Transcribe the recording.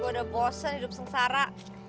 gue udah bosen hidup sengsara